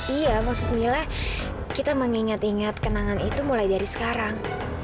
iya maksudnya kita mengingat ingat kenangan itu mulai dari sekarang